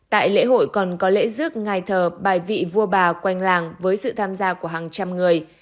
tại lễ hội còn có lễ rước ngài thờ bài vị vua bà quanh làng với sự tham gia của hàng trăm người